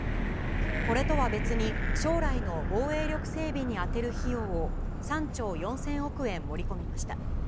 これとは別に将来の防衛力整備に充てる費用を３兆４０００億円盛り込みました。